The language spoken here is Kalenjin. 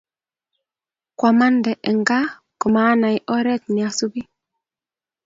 Kwamande eng' kaa komanai oret neasupi